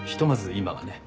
今はね。